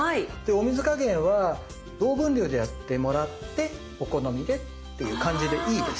お水加減は同分量でやってもらってお好みでっていう感じでいいです。